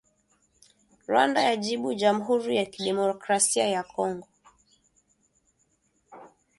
Rwanda yajibu jamuhuri ya kidemokrasia ya Kongo